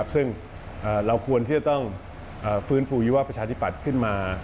ซึ่งเราควรที่จะต้องฟื้นฟูอยู่ว่าประชาธิปัตย์ขึ้นมา